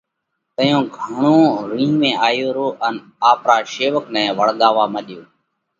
تئيون گھڻو رِينه ۾ آيو رو ان آپرا شيوَڪ نئہ وۯڳاوَوا مڏيو: